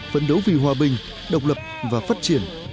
phấn đấu vì hòa bình độc lập và phát triển